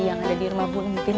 yang ada di rumah bu iin